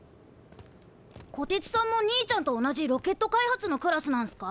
こてつさんも兄ちゃんと同じロケット開発のクラスなんすか？